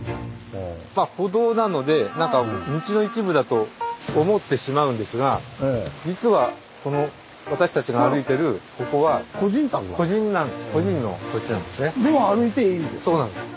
まあ歩道なのでなんか道の一部だと思ってしまうんですが実はこの私たちが歩いてるここは個人の土地なんですね。